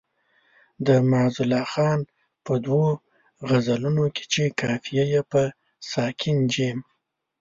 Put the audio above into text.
د معزالله خان په دوو غزلونو کې چې قافیه یې په ساکن جیم.